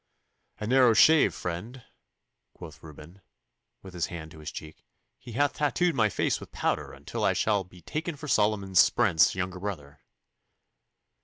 'A narrow shave, friend,' quoth Reuben, with his hand to his cheek. 'He hath tattooed my face with powder until I shall be taken for Solomon Sprent's younger brother.